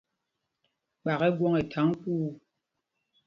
Kpak ɛ́ gwɔ̌ŋ ɛ tháŋ kuu.